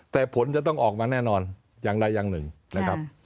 แต่ผลจะต้องออกมาแน่นอนอย่างใดอย่างหนึ่งนะครับ